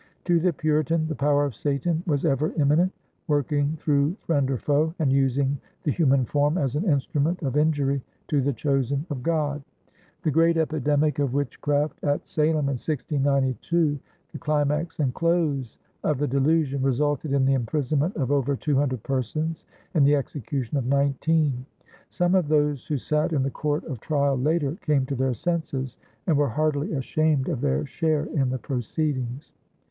To the Puritan the power of Satan was ever imminent, working through friend or foe, and using the human form as an instrument of injury to the chosen of God. The great epidemic of witchcraft at Salem in 1692, the climax and close of the delusion, resulted in the imprisonment of over two hundred persons and the execution of nineteen. Some of those who sat in the court of trial later came to their senses and were heartily ashamed of their share in the proceedings.